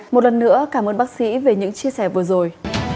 một lần nữa cảm ơn bác sĩ về những chia sẻ vừa rồi